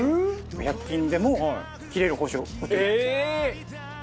１００均でも切れる包丁売ってます。